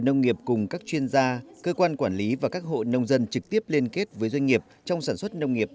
nông nghiệp cùng các chuyên gia cơ quan quản lý và các hộ nông dân trực tiếp liên kết với doanh nghiệp trong sản xuất nông nghiệp